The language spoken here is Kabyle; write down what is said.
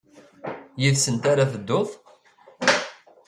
Yid-sent ara ad tedduḍ?